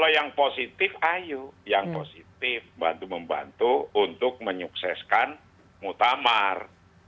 yang positif membantu membantu untuk menyukseskan mutamar